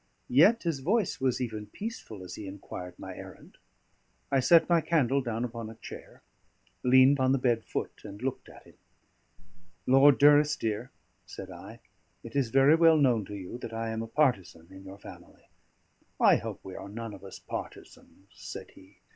Yet his voice was even peaceful as he inquired my errand. I set my candle down upon a chair, leaned on the bed foot, and looked at him. "Lord Durrisdeer," said I, "it is very well known to you that I am a partisan in your family." "I hope we are none of us partisans," said he.